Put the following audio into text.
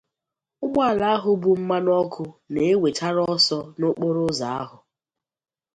ụgbọala ahụ bu mmanụọkụ na-ewèchara ọsọ n'okporoụzọ ahụ